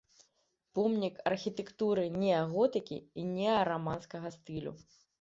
Помнік архітэктуры неаготыкі і неараманскага стылю.